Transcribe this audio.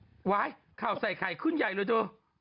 ได้ถิ่นเจ้ากะอย่างใส่ไข่คุณใหญ่เลยดู